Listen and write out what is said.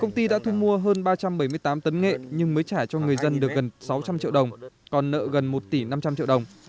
công ty đã thu mua hơn ba trăm bảy mươi tám tấn nghệ nhưng mới trả cho người dân được gần sáu trăm linh triệu đồng còn nợ gần một tỷ năm trăm linh triệu đồng